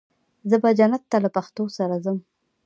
زه به جنت ته له پښتو سره ځم.